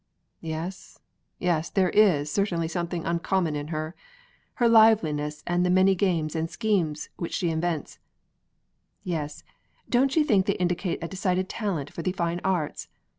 "Yes, yes, there is certainly something uncommon in her. Her liveliness and the many games and schemes which she invents " "Yes, don't you think they indicate a decided talent for the fine arts?